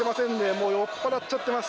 もう酔っぱらっちゃってます。